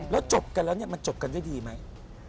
แล้วจบกันแล้วมันจบกันได้ดีไหม